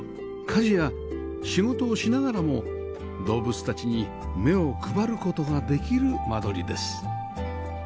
家事や仕事をしながらも動物たちに目を配る事ができる間取りです